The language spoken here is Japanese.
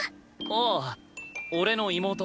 ああ俺の妹。